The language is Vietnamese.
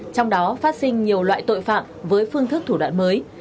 trong đó phát sinh nhiều loại tội phạm với phương thức thủ đoạn mới